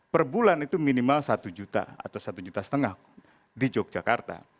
per bulan itu minimal satu juta atau satu juta setengah di yogyakarta